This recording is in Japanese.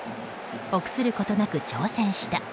臆することなく挑戦した。